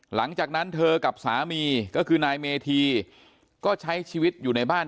หลังจากนั้นเธอกับสามีก็คือนายเมธีก็ใช้ชีวิตอยู่ในบ้าน